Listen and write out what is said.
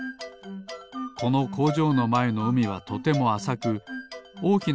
このこうじょうのまえのうみはとてもあさくおおきな